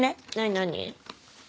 何？